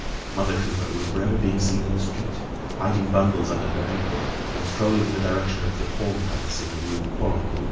Mother Coupeau was for ever being seen in the street, hiding bundles under her apron, and strolling in the direction of the pawn place in the Rue Polonceau.